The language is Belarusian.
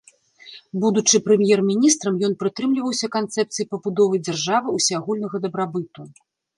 Будучы прэм'ер-міністрам, ён прытрымліваўся канцэпцыі пабудовы дзяржавы ўсеагульнага дабрабыту.